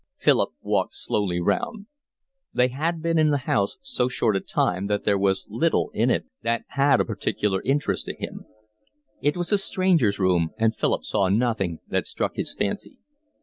Philip walked slowly round. They had been in the house so short a time that there was little in it that had a particular interest to him. It was a stranger's room, and Philip saw nothing that struck his fancy.